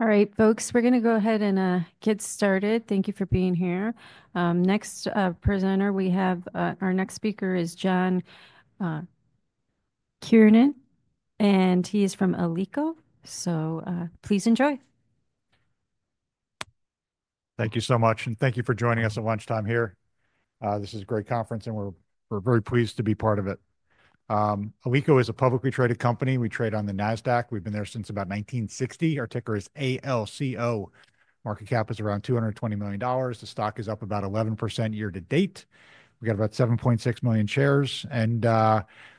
Alright, folks, we're going to go ahead and get started. Thank you for being here. Next, presenter we have, our next speaker is John Kiernan, and he is from Alico, so please enjoy. Thank you so much, and thank you for joining us at lunchtime here. This is a great conference, and we're very pleased to be part of it. Alico is a publicly traded company. We trade on the NASDAQ. We've been there since about 1960. Our ticker is ALCO. Market cap is around $220 million. The stock is up about 11% year to date. We got about 7.6 million shares, and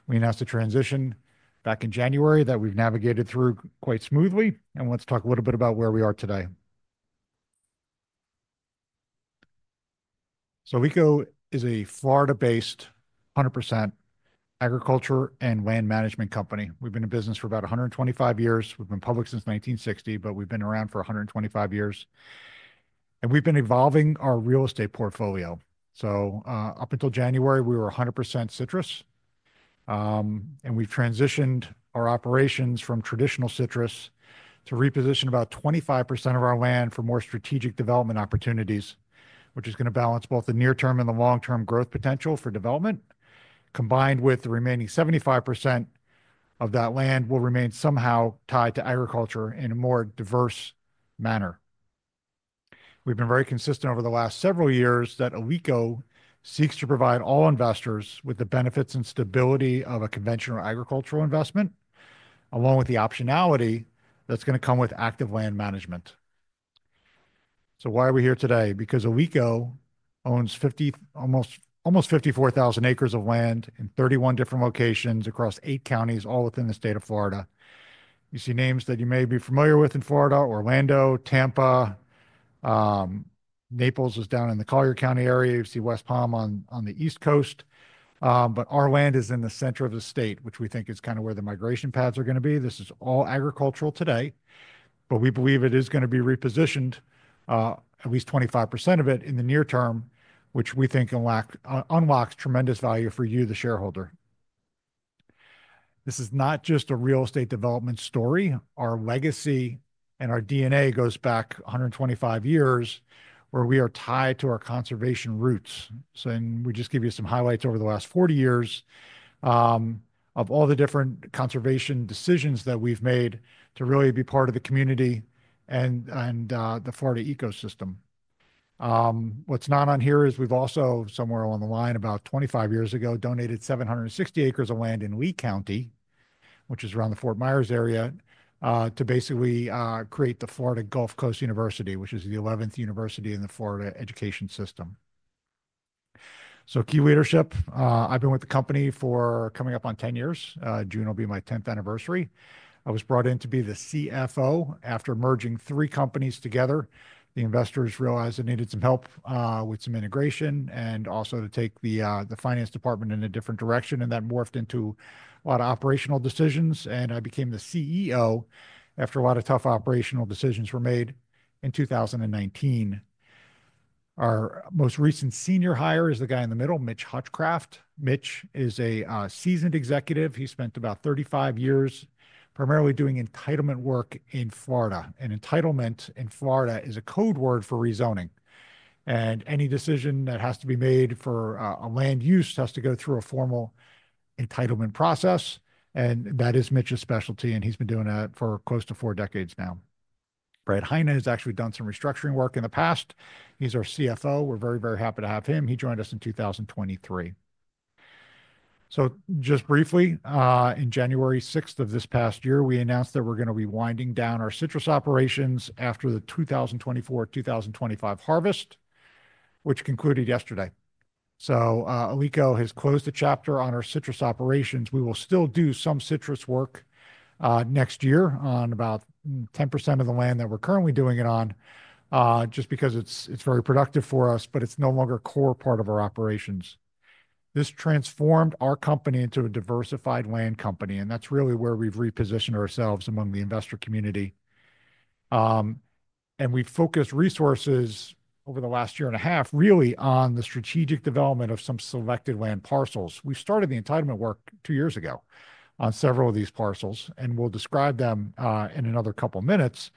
we announced a transition back in January that we've navigated through quite smoothly. Let's talk a little bit about where we are today. Alico is a Florida-based 100% agriculture and land management company. We've been in business for about 125 years. We've been public since 1960, but we've been around for 125 years, and we've been evolving our real estate portfolio. Up until January, we were 100% citrus. We have transitioned our operations from traditional citrus to reposition about 25% of our land for more strategic development opportunities, which is going to balance both the near-term and the long-term growth potential for development, combined with the remaining 75% of that land that will remain somehow tied to agriculture in a more diverse manner. We have been very consistent over the last several years that Alico seeks to provide all investors with the benefits and stability of a conventional agricultural investment, along with the optionality that is going to come with active land management. Why are we here today? Because Alico owns 50, almost, almost 54,000 acres of land in 31 different locations across eight counties, all within the state of Florida. You see names that you may be familiar with in Florida: Orlando, Tampa, Naples is down in the Collier County area. You see West Palm on the East Coast, but our land is in the center of the state, which we think is kind of where the migration paths are going to be. This is all agricultural today, but we believe it is going to be repositioned, at least 25% of it in the near term, which we think unlocks tremendous value for you, the shareholder. This is not just a real estate development story. Our legacy and our DNA goes back 125 years, where we are tied to our conservation roots. We just give you some highlights over the last 40 years, of all the different conservation decisions that we've made to really be part of the community and the Florida ecosystem. What's not on here is we've also, somewhere along the line, about 25 years ago, donated 760 acres of land in Lee County, which is around the Fort Myers area, to basically create the Florida Gulf Coast University, which is the 11th university in the Florida education system. Key leadership, I've been with the company for coming up on 10 years. June will be my 10th anniversary. I was brought in to be the CFO after merging three companies together. The investors realized I needed some help, with some integration and also to take the finance department in a different direction, and that morphed into a lot of operational decisions, and I became the CEO after a lot of tough operational decisions were made in 2019. Our most recent senior hire is the guy in the middle, Mitch Hutchcraft. Mitch is a seasoned executive. He spent about 35 years primarily doing entitlement work in Florida, and entitlement in Florida is a code word for rezoning, and any decision that has to be made for, a land use has to go through a formal entitlement process, and that is Mitch's specialty, and he's been doing that for close to four decades now. Brad Heine has actually done some restructuring work in the past. He's our CFO. We're very, very happy to have him. He joined us in 2023. Just briefly, on January 6th of this past year, we announced that we're going to be winding down our citrus operations after the 2024 to 2025 harvest, which concluded yesterday. Alico has closed the chapter on our citrus operations. We will still do some citrus work next year on about 10% of the land that we're currently doing it on, just because it's very productive for us, but it's no longer a core part of our operations. This transformed our company into a diversified land company, and that's really where we've repositioned ourselves among the investor community. We've focused resources over the last year and a half really on the strategic development of some selected land parcels. We started the entitlement work two years ago on several of these parcels, and we'll describe them in another couple of minutes.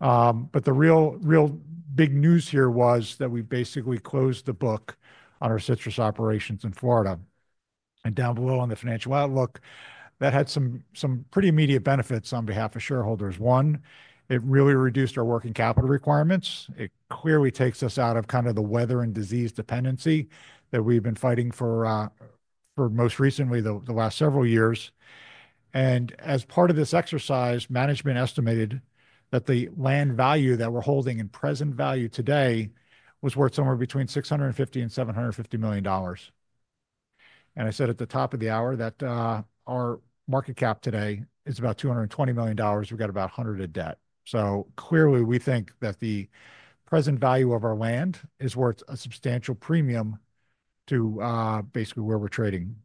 The real, real big news here was that we've basically closed the book on our citrus operations in Florida. Down below on the financial outlook, that had some pretty immediate benefits on behalf of shareholders. One, it really reduced our working capital requirements. It clearly takes us out of kind of the weather and disease dependency that we've been fighting for, for most recently, the last several years. As part of this exercise, management estimated that the land value that we're holding in present value today was worth somewhere between $650 million and $750 million. I said at the top of the hour that our market cap today is about $220 million. We've got about $100 million of debt. Clearly, we think that the present value of our land is worth a substantial premium to basically where we're trading.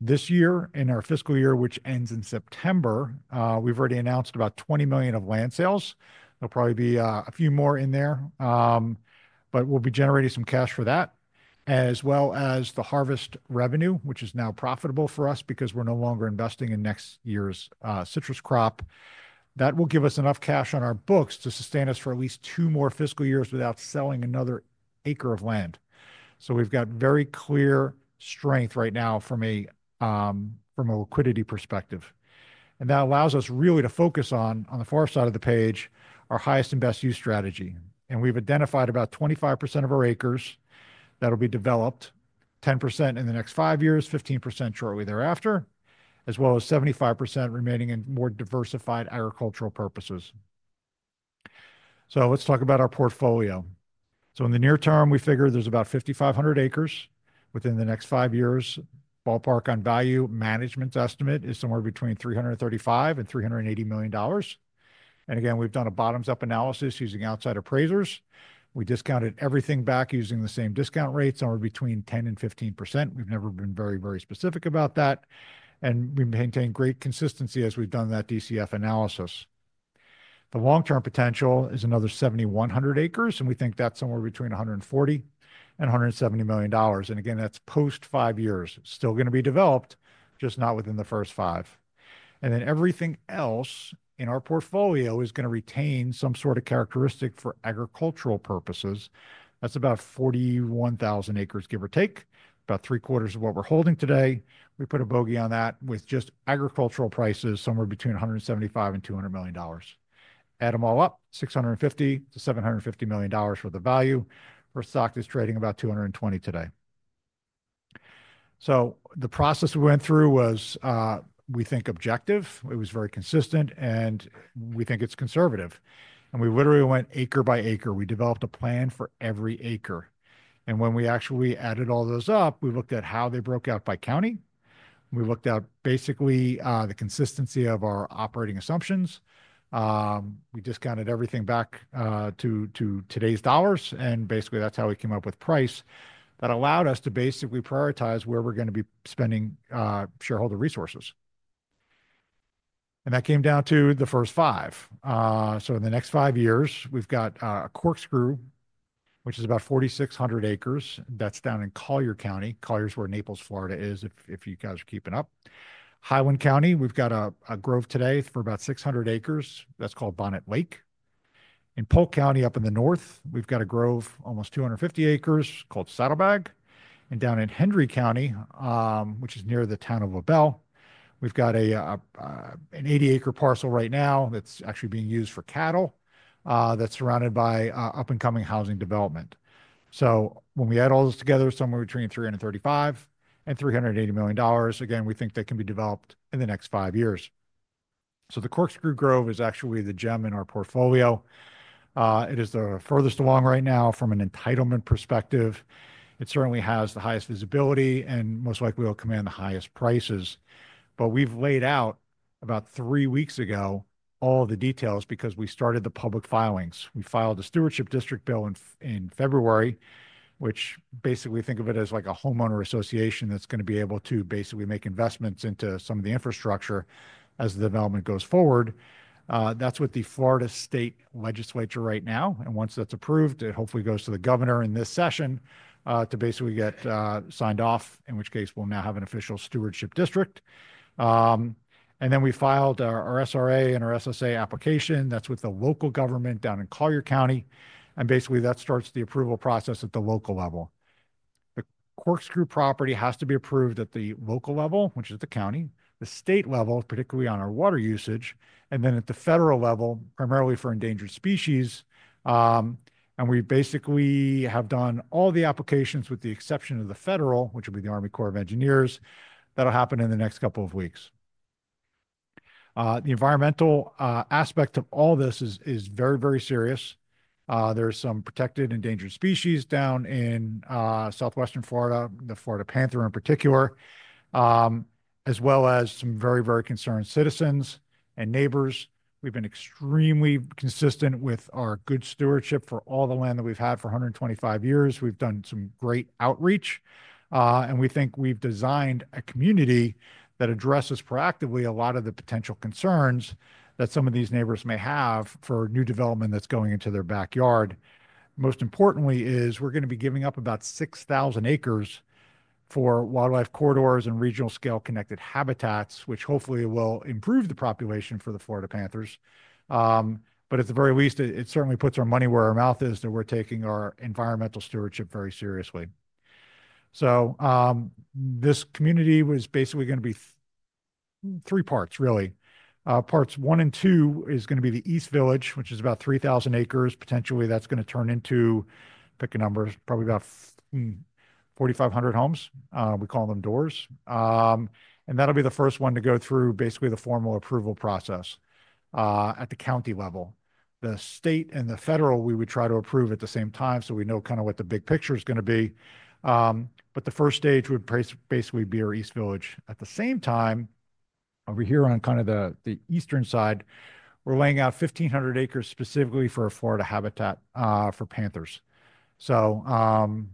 This year, in our fiscal year, which ends in September, we've already announced about $20 million of land sales. There'll probably be a few more in there, but we'll be generating some cash for that, as well as the harvest revenue, which is now profitable for us because we're no longer investing in next year's citrus crop. That will give us enough cash on our books to sustain us for at least two more fiscal years without selling another acre of land. We've got very clear strength right now from a liquidity perspective, and that allows us really to focus on the far side of the page, our highest and best use strategy. We've identified about 25% of our acres that'll be developed, 10% in the next five years, 15% shortly thereafter, as well as 75% remaining in more diversified agricultural purposes. Let's talk about our portfolio. In the near term, we figure there's about 5,500 acres within the next five years. Ballpark on value management estimate is somewhere between $335 million and $380 million. Again, we've done a bottoms-up analysis using outside appraisers. We discounted everything back using the same discount rates, somewhere between 10% and 15%. We've never been very, very specific about that, and we maintain great consistency as we've done that DCF analysis. The long-term potential is another 7,100 acres, and we think that's somewhere between $140 million and $170 million. Again, that's post five years, still going to be developed, just not within the first five. Everything else in our portfolio is going to retain some sort of characteristic for agricultural purposes. That's about 41,000 acres, give or take, about three quarters of what we're holding today. We put a bogey on that with just agricultural prices, somewhere between $175 million and $200 million. Add them all up, $650 million to $750 million worth of value. Our stock is trading about $220 today. The process we went through was, we think, objective. It was very consistent, and we think it's conservative. We literally went acre by acre. We developed a plan for every acre. When we actually added all those up, we looked at how they broke out by county. We looked at basically the consistency of our operating assumptions. We discounted everything back to today's dollars, and basically that's how we came up with a price that allowed us to basically prioritize where we're going to be spending shareholder resources. That came down to the first five. In the next five years, we've got a Corkscrew, which is about 4,600 acres. That's down in Collier County. Collier is where Naples, Florida is, if you guys are keeping up. Highlands County, we've got a grove today for about 600 acres. That's called Bonnet Lake. In Polk County, up in the north, we've got a grove, almost 250 acres, called Saddlebag. Down in Hendry County, which is near the town of LaBelle, we've got an 80-acre parcel right now that's actually being used for cattle, that's surrounded by up-and-coming housing development. When we add all those together, somewhere between $335 million and $380 million, again, we think that can be developed in the next five years. The Corkscrew Grove is actually the gem in our portfolio. It is the furthest along right now from an entitlement perspective. It certainly has the highest visibility and most likely will command the highest prices. We've laid out about three weeks ago all the details because we started the public filings. We filed a stewardship district bill in February, which basically, think of it as like a homeowner association that's going to be able to basically make investments into some of the infrastructure as the development goes forward. That's with the Florida State Legislature right now, and once that's approved, it hopefully goes to the governor in this session to basically get signed off, in which case we'll now have an official stewardship district. Then we filed our SRA and our SSA application. That's with the local government down in Collier County, and basically that starts the approval process at the local level. The Corkscrew property has to be approved at the local level, which is the county, the state level, particularly on our water usage, and then at the federal level, primarily for endangered species. We basically have done all the applications with the exception of the federal, which will be the Army Corps of Engineers. That'll happen in the next couple of weeks. The environmental aspect of all this is very, very serious. There's some protected endangered species down in southwestern Florida, the Florida panther in particular, as well as some very, very concerned citizens and neighbors. We've been extremely consistent with our good stewardship for all the land that we've had for 125 years. We've done some great outreach, and we think we've designed a community that addresses proactively a lot of the potential concerns that some of these neighbors may have for new development that's going into their backyard. Most importantly is we're going to be giving up about 6,000 acres for wildlife corridors and regional scale connected habitats, which hopefully will improve the population for the Florida panthers. At the very least, it certainly puts our money where our mouth is that we're taking our environmental stewardship very seriously. This community was basically going to be three parts, really. Parts one and two is going to be the East Village, which is about 3,000 acres. Potentially that's going to turn into, pick a number, probably about 4,500 homes. We call them doors. That'll be the first one to go through basically the formal approval process, at the county level. The state and the federal, we would try to approve at the same time so we know kind of what the big picture is going to be. The first stage would basically be our East Village. At the same time, over here on kind of the eastern side, we're laying out 1,500 acres specifically for a Florida habitat, for panthers. Somebody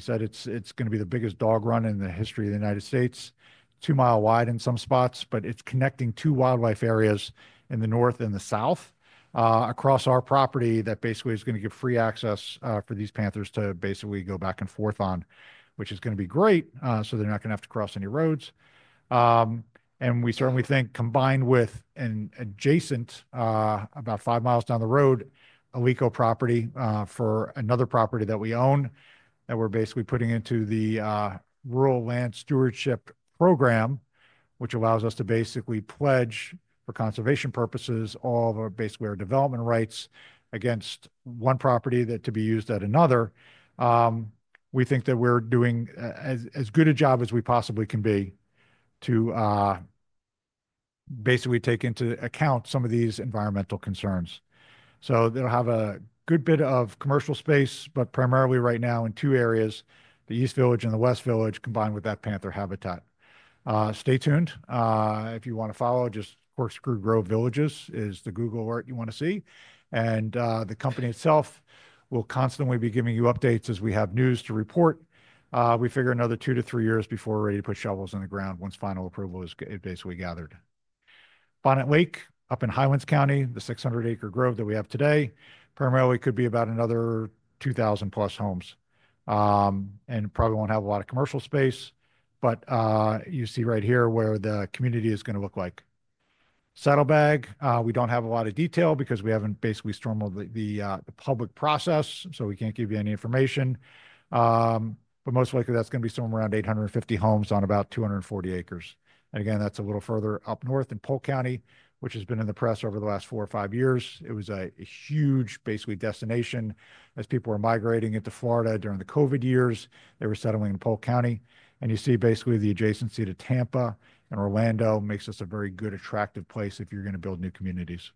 said it's going to be the biggest dog run in the history of the United States, two mile wide in some spots, but it's connecting two wildlife areas in the north and the south, across our property that basically is going to give free access for these panthers to basically go back and forth on, which is going to be great, so they're not going to have to cross any roads. We certainly think combined with an adjacent, about five miles down the road, Alico property, for another property that we own that we're basically putting into the Rural Lands Stewardship Program, which allows us to basically pledge for conservation purposes all of our basically our development rights against one property that to be used at another. We think that we're doing as good a job as we possibly can be to basically take into account some of these environmental concerns. They'll have a good bit of commercial space, but primarily right now in two areas, the East Village and the West Village, combined with that panther habitat. Stay tuned. If you want to follow, just Corkscrew Grove Villages is the Google alert you want to see. The company itself will constantly be giving you updates as we have news to report. We figure another two to three years before we're ready to put shovels in the ground once final approval is basically gathered. Bonnet Lake up in Highlands County, the 600-acre grove that we have today, primarily could be about another 2,000-plus homes. and probably won't have a lot of commercial space, but you see right here where the community is going to look like. Saddlebag, we don't have a lot of detail because we haven't basically stormed the public process, so we can't give you any information. most likely that's going to be somewhere around 850 homes on about 240 acres. Again, that's a little further up north in Polk County, which has been in the press over the last four or five years. It was a huge basically destination as people were migrating into Florida during the COVID years. They were settling in Polk County, and you see basically the adjacency to Tampa and Orlando makes us a very good attractive place if you're going to build new communities.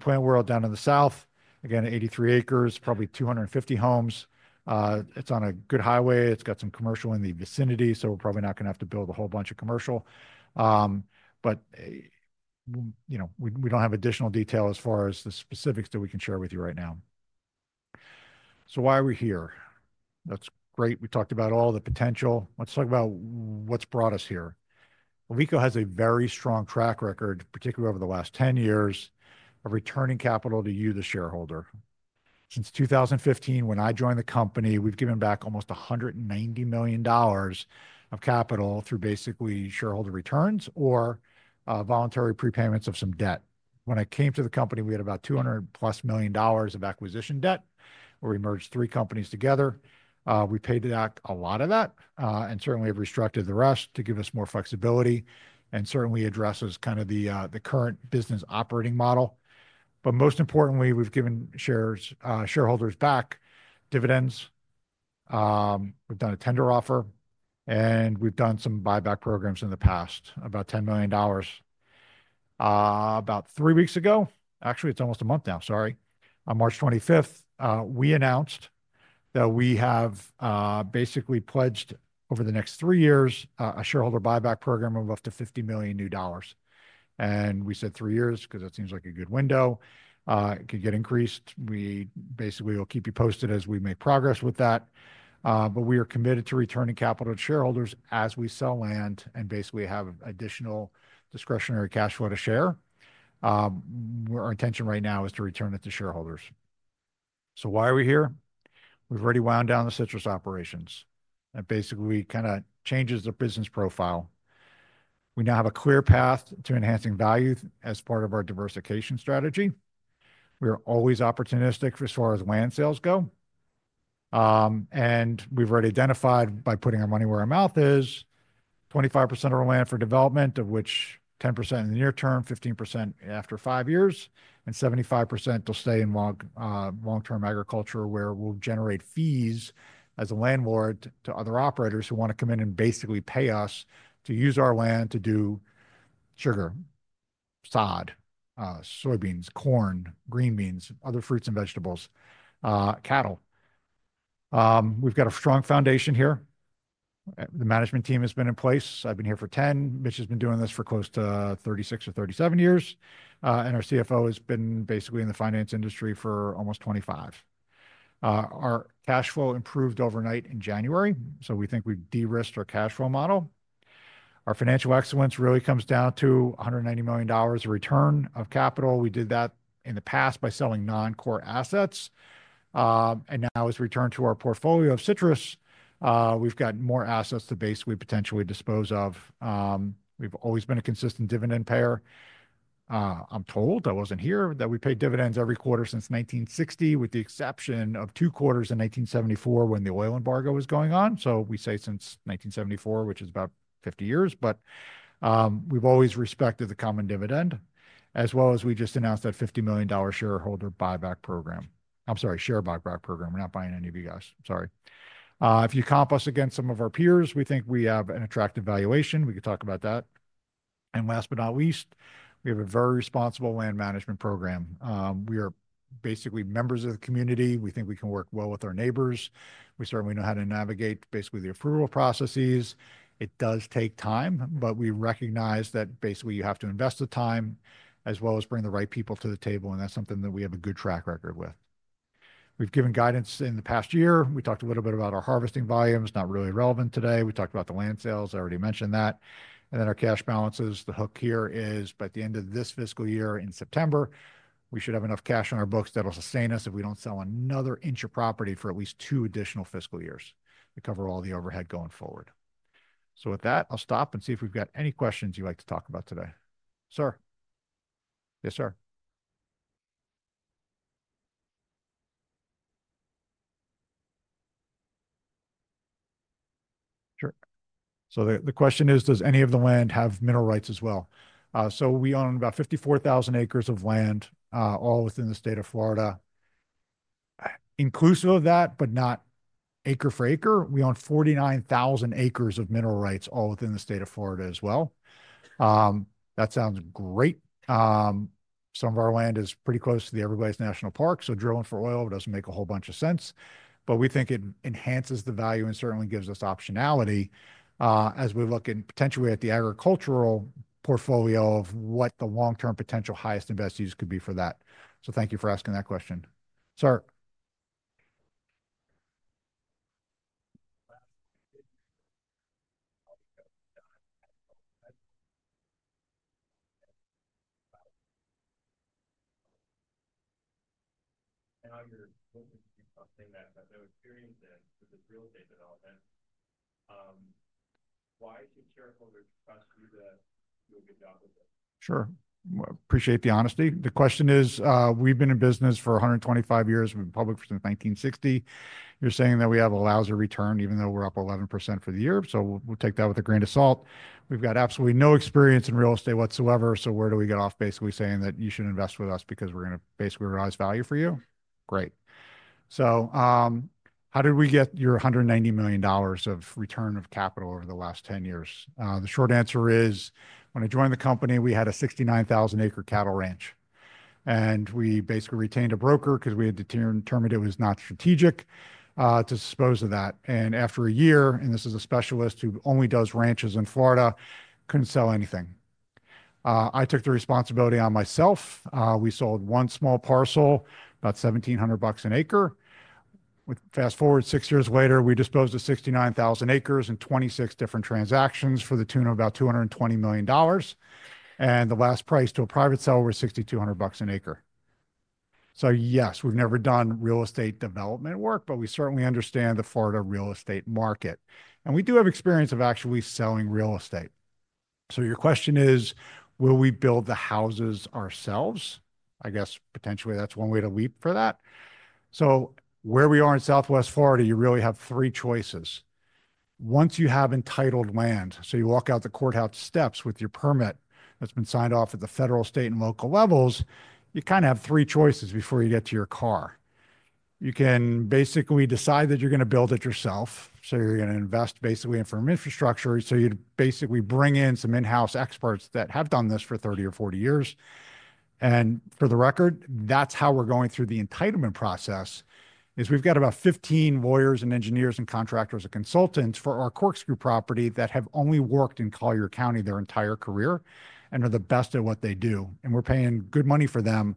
Plant World down in the south, again, 83 acres, probably 250 homes. It's on a good highway. It's got some commercial in the vicinity, so we're probably not going to have to build a whole bunch of commercial. But, you know, we don't have additional detail as far as the specifics that we can share with you right now. Why are we here? That's great. We talked about all the potential. Let's talk about what's brought us here. Alico has a very strong track record, particularly over the last 10 years, of returning capital to you, the shareholder. Since 2015, when I joined the company, we've given back almost $190 million of capital through basically shareholder returns or voluntary prepayments of some debt. When I came to the company, we had about $200 million plus of acquisition debt. We merged three companies together. We paid back a lot of that, and certainly have restructured the rest to give us more flexibility and certainly addresses kind of the, the current business operating model. Most importantly, we've given shareholders back dividends. We've done a tender offer, and we've done some buyback programs in the past, about $10 million. About three weeks ago, actually, it's almost a month now, sorry, on March 25th, we announced that we have basically pledged over the next three years a shareholder buyback program of up to $50 million new dollars. We said three years because that seems like a good window. It could get increased. We basically will keep you posted as we make progress with that. We are committed to returning capital to shareholders as we sell land and basically have additional discretionary cash flow to share. Our intention right now is to return it to shareholders. Why are we here? We've already wound down the citrus operations, and basically kind of changes the business profile. We now have a clear path to enhancing value as part of our diversification strategy. We are always opportunistic as far as land sales go. We've already identified by putting our money where our mouth is, 25% of our land for development, of which 10% in the near term, 15% after five years, and 75% will stay in long, long-term agriculture where we'll generate fees as a landlord to other operators who want to come in and basically pay us to use our land to do sugar, sod, soybeans, corn, green beans, other fruits and vegetables, cattle. We've got a strong foundation here. The management team has been in place. I've been here for 10. Mitch has been doing this for close to 36 or 37 years. Our CFO has been basically in the finance industry for almost 25. Our cash flow improved overnight in January, so we think we've de-risked our cash flow model. Our financial excellence really comes down to $190 million of return of capital. We did that in the past by selling non-core assets. Now it's returned to our portfolio of citrus. We've got more assets to basically potentially dispose of. We've always been a consistent dividend payer. I'm told I wasn't here that we paid dividends every quarter since 1960, with the exception of two quarters in 1974 when the oil embargo was going on. We say since 1974, which is about 50 years, but we've always respected the common dividend, as well as we just announced that $50 million shareholder buyback program. I'm sorry, share buyback program. We're not buying any of you guys. I'm sorry. If you comp us against some of our peers, we think we have an attractive valuation. We could talk about that. Last but not least, we have a very responsible land management program. We are basically members of the community. We think we can work well with our neighbors. We certainly know how to navigate basically the approval processes. It does take time, but we recognize that basically you have to invest the time as well as bring the right people to the table, and that's something that we have a good track record with. We've given guidance in the past year. We talked a little bit about our harvesting volumes, not really relevant today. We talked about the land sales. I already mentioned that. Our cash balances, the hook here is by the end of this fiscal year in September, we should have enough cash on our books that'll sustain us if we don't sell another inch of property for at least two additional fiscal years. We cover all the overhead going forward. With that, I'll stop and see if we've got any questions you'd like to talk about today. Sir. Yes, sir. Sure. The question is, does any of the land have mineral rights as well? We own about 54,000 acres of land, all within the state of Florida. Inclusive of that, but not acre for acre, we own 49,000 acres of mineral rights all within the state of Florida as well. That sounds great. Some of our land is pretty close to the Everglades National Park, so drilling for oil doesn't make a whole bunch of sense, but we think it enhances the value and certainly gives us optionality, as we look in potentially at the agricultural portfolio of what the long-term potential highest investors could be for that. Thank you for asking that question. Sir, now you're hoping to do something that has no experience in business real estate development. Why should shareholders trust you to do a good job with it? Sure. Appreciate the honesty. The question is, we've been in business for 125 years. We've been public since 1960. You're saying that we have a lousy return even though we're up 11% for the year. We'll take that with a grain of salt. We've got absolutely no experience in real estate whatsoever. Where do we get off basically saying that you should invest with us because we're going to basically realize value for you? Great. How did we get your $190 million of return of capital over the last 10 years? The short answer is when I joined the company, we had a 69,000 acre cattle ranch, and we basically retained a broker because we had determined it was not strategic to dispose of that. After a year, and this is a specialist who only does ranches in Florida, couldn't sell anything. I took the responsibility on myself. We sold one small parcel, about $1,700 an acre. Fast forward, six years later, we disposed of 69,000 acres in 26 different transactions for the tune of about $220 million. The last price to a private seller was $6,200 an acre. Yes, we've never done real estate development work, but we certainly understand the Florida real estate market. We do have experience of actually selling real estate. Your question is, will we build the houses ourselves? I guess potentially that's one way to leap for that. Where we are in Southwest Florida, you really have three choices. Once you have entitled land, you walk out the courthouse steps with your permit that's been signed off at the federal, state, and local levels, you kind of have three choices before you get to your car. You can basically decide that you're going to build it yourself. You're going to invest basically in firm infrastructure. You'd basically bring in some in-house experts that have done this for 30 or 40 years. For the record, that's how we're going through the entitlement process, is we've got about 15 lawyers and engineers and contractors and consultants for our Corkscrew property that have only worked in Collier County their entire career and are the best at what they do. We're paying good money for them,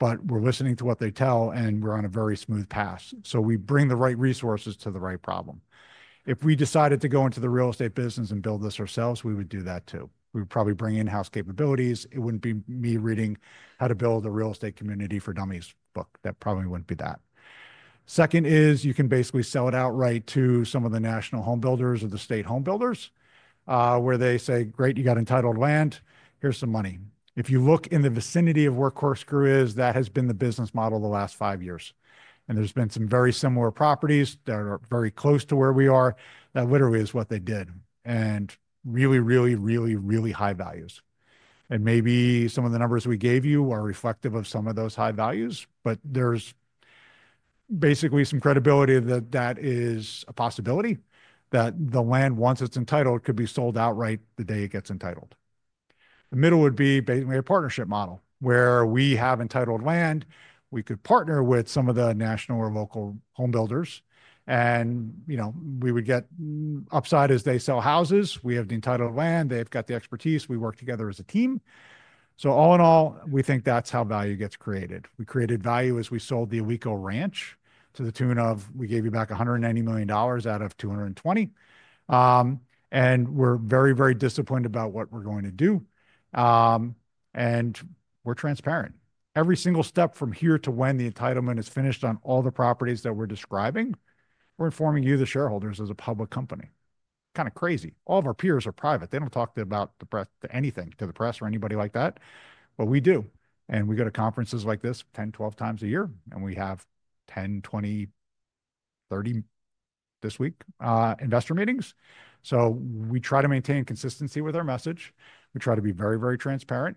but we're listening to what they tell and we're on a very smooth path. We bring the right resources to the right problem. If we decided to go into the real estate business and build this ourselves, we would do that too. We would probably bring in-house capabilities. It wouldn't be me reading how to build a real estate community for dummies book. That probably wouldn't be that. Second is you can basically sell it outright to some of the national home builders or the state home builders, where they say, "Great, you got entitled land. Here's some money. If you look in the vicinity of where Corkscrew is, that has been the business model the last five years. There have been some very similar properties that are very close to where we are. That literally is what they did. Really, really, really high values. Maybe some of the numbers we gave you are reflective of some of those high values, but there's basically some credibility that that is a possibility that the land, once it's entitled, could be sold outright the day it gets entitled. The middle would be basically a partnership model where we have entitled land. We could partner with some of the national or local home builders and, you know, we would get upside as they sell houses. We have the entitled land. They've got the expertise. We work together as a team. All in all, we think that's how value gets created. We created value as we sold the Alico Ranch to the tune of, we gave you back $190 million out of $220 million. We are very, very disciplined about what we're going to do. We are transparent. Every single step from here to when the entitlement is finished on all the properties that we're describing, we're informing you, the shareholders, as a public company. Kind of crazy. All of our peers are private. They don't talk about the press, anything to the press or anybody like that, but we do. We go to conferences like this 10 to 12x a year, and we have 10, 20, 30 this week, investor meetings. We try to maintain consistency with our message. We try to be very, very transparent,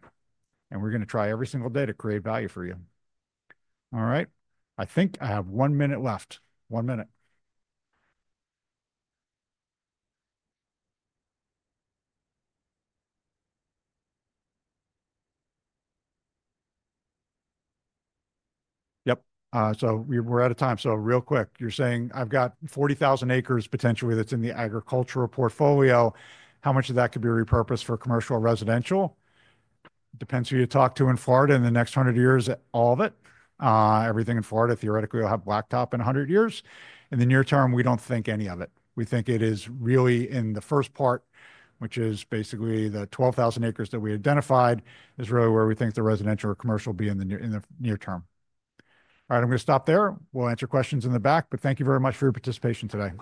and we're going to try every single day to create value for you. All right. I think I have one minute left. One minute. Yep. We're at a time. Real quick, you're saying I've got 40,000 acres potentially that's in the agricultural portfolio. How much of that could be repurposed for commercial residential? Depends who you talk to in Florida. In the next hundred years, all of it. Everything in Florida, theoretically, will have blacktop in a hundred years. In the near term, we don't think any of it. We think it is really in the first part, which is basically the 12,000 acres that we identified, is really where we think the residential or commercial will be in the near term. All right. I'm going to stop there. We'll answer questions in the back, but thank you very much for your participation today.